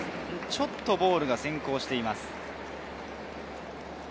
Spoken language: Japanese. ちょっとボールが先行しています。